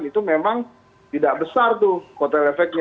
itu memang tidak besar tuh kotel efeknya